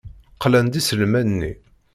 Qlan-d iselman-nni.